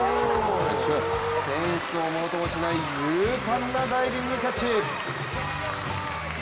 フェンスをものともしない勇敢なダイビングキャッチ！